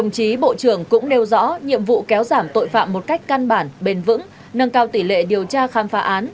câu rõ nhiệm vụ kéo giảm tội phạm một cách căn bản bền vững nâng cao tỷ lệ điều tra khám phá án